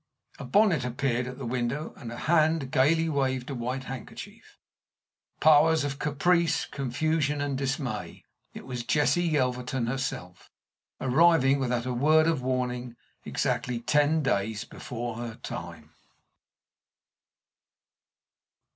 A bonnet appeared at the window and a hand gayly waved a white handkerchief. Powers of caprice, confusion, and dismay! It was Jessie Yelverton herself arriving, without a word of warning, exactly ten days before her time.